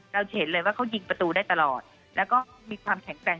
เราจะเห็นเลยว่าเขายิงประตูได้ตลอดแล้วก็มีความแข็งแกร่ง